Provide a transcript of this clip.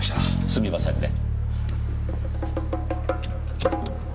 すみませんね。